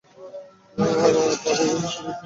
বাবা- মা নীচে রয়েছেন।